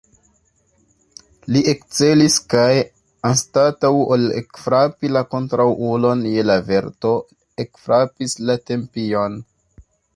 Li ekcelis kaj, anstataŭ ol ekfrapi la kontraŭulon je la verto, ekfrapis la tempion.